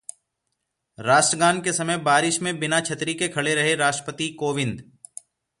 राष्ट्रगान के समय बारिश में बिना छतरी के खड़े रहे राष्ट्रपति कोविंद